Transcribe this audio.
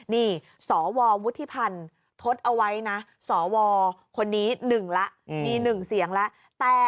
นี่สววุฒิพันธ์ทดเอาไว้นะสวคนนี้หนึ่งละมีหนึ่งเสียงละ